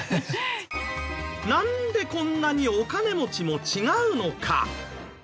なんでこんなにお金持ちも違うのか？